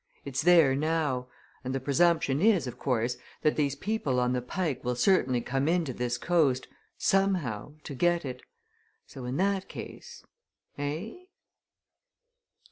It's there now and the presumption is, of course, that these people on the Pike will certainly come in to this coast somehow! to get it. So in that case eh?"